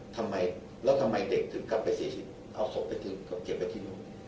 ทำไมแล้วทำไมเด็กถึงกลับไปเสียชีวิตเอาศพไปทิ้งก็เก็บไว้ที่นู่น